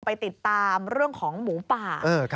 ไปติดตามเรื่องของหมูป่า